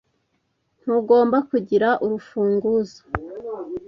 Ntugomba kugira urufunguzo